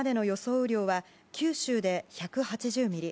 雨量は九州で１８０ミリ。